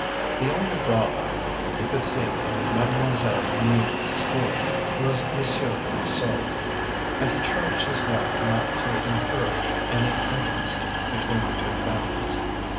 The only drawback he could see in Mademoiselle Mimi s school, was Monsieur Pinseau. And he charged his wife not to encourage any intimacy between the two families.